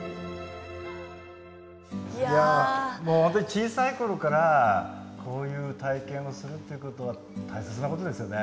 もう本当に小さい頃からこういう体験をするっていうことは大切なことですよね。